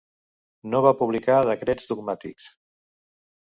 No va publicar decrets dogmàtics.